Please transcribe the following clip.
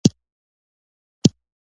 پسه د طبعاً ملایم حیوان دی.